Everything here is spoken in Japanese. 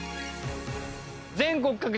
全国各地